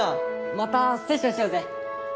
またセッションしようぜ！